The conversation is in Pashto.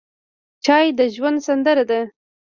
چای د ژوند سندره ده.